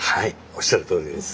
おっしゃるとおりです。